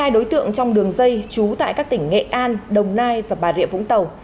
hai đối tượng trong đường dây trú tại các tỉnh nghệ an đồng nai và bà rịa vũng tàu